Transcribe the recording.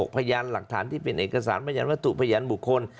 พยานหลักฐานที่เป็นเอกสารพยานวัตถุพยานบุคคล